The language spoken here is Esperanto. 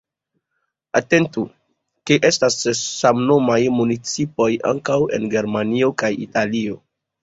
Atentu, ke estas samnomaj municipoj ankaŭ en Germanio kaj Italio.